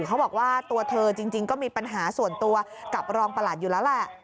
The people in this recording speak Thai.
เขาบอกว่าตัวเธอจริงก็มีปัญหาส่วนตัวกับรองประหลัดอยู่แล้วแหละ